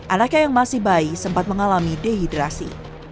anaknya yang masih bayi sempat mengalami dehidrasi